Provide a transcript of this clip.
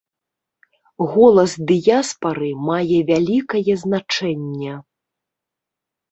Голас дыяспары мае вялікае значэнне.